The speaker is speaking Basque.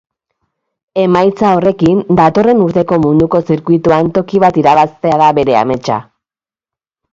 Emaitza horrekin, datorren urteko munduko zirkuituan toki bat irabaztea da bere ametsa.